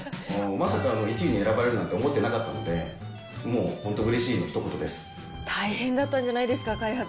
まさか１位に選ばれるなんて思ってなかったんで、もう本当、大変だったんじゃないですか、開発。